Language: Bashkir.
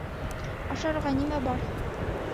Ашарға нимә бар?